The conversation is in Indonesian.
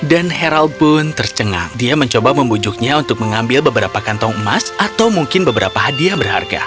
dan heral pun tercengang dia mencoba membujuknya untuk mengambil beberapa kantong emas atau mungkin beberapa hadiah berharga